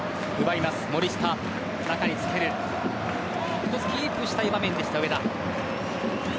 一つキープしたい場面でした上田。